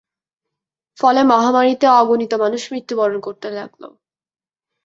ফলে মহামারীতে অগণিত মানুষ মৃত্যুবরণ করতে লাগল।